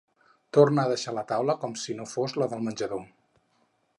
Torna a deixar la taula com si no fos la del menjador.